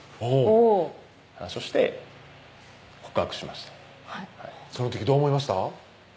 おぉ話をして告白しましたその時どう思いました？